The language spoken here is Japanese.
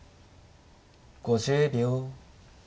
５０秒。